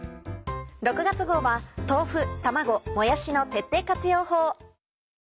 ６月号は豆腐卵もやしの徹底活用法。